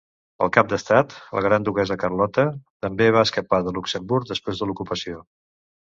El cap d'Estat, la Gran Duquessa Carlota, també va escapar de Luxemburg després de l'ocupació.